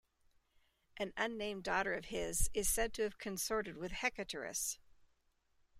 An unnamed daughter of his is said to have consorted with Hecaterus.